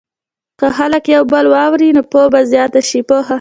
که خلک یو بل واوري، نو پوهه به زیاته شي.